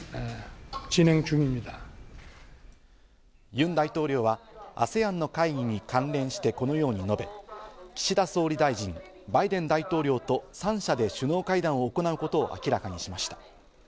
ユン大統領はＡＳＥＡＮの会議に関連して、このように述べ、岸田総理大臣、バイデン大統領と３者で首脳会談を行うことを明らかにしました。